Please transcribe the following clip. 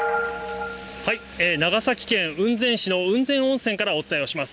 長崎県雲仙市の雲仙温泉からお伝えをします。